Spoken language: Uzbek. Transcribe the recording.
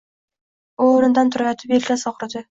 U o‘rnidan turayotib yelkasi og’ridi.